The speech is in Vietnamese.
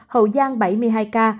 hậu giang bảy mươi hai ca